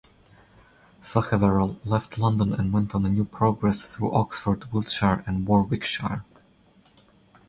Sacheverell left London and went on a new Progress through Oxford, Wiltshire and Warwickshire.